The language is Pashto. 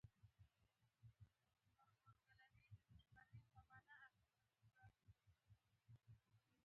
پروژې نیمګړې پریښودل تاوان دی.